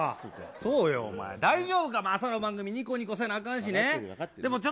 そうよお前、大丈夫か、お前、朝の番組、にこにこせなあかんしな。